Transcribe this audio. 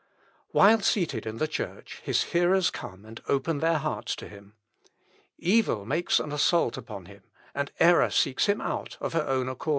While seated in the church, his hearers come and open their hearts to him. Evil makes an assault upon him, and error seeks him out, of her own accord.